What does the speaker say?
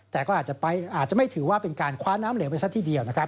แต่ก็อาจจะไม่ถือว่าเป็นการคว้าน้ำเหลวไปซะทีเดียวนะครับ